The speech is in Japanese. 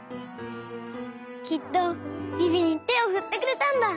きっとビビにてをふってくれたんだ！